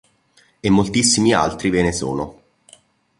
E moltissimi altri ve ne sono.